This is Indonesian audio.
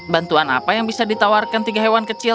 bantuan apa yang bisa ditawarkan tiga hewan kecil